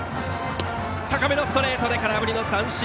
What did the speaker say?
高めのストレートで空振り三振。